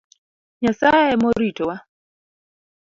Nyasaye emoritowa.